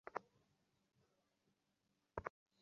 একটা বোঝাপড়াও হইয়া গেল কুমুদের সঙ্গে।